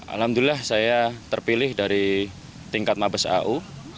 alhamdulillah saya terpilih dari tingkat mabes au